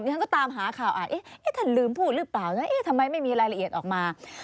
ท่านก็ตามหาข่าวท่านลืมพูดหรือเปล่าทำไมไม่มีรายละเอียดออกมา